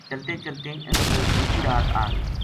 چلتیں چلتیں انھ پو دوجی رات آ گئی